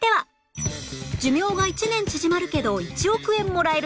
寿命が１年縮まるけど１億円もらえる